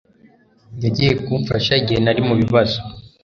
Yagiye kumfasha igihe nari mubibazo